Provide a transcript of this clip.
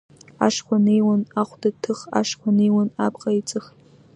Ашхәа неиуан ахәда ҭых, ашхәа неиуан абӷа еиҵых.